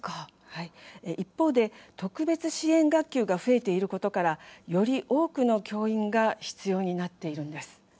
一方で、特別支援学級が増えていることからより多くの教員が必要になっています。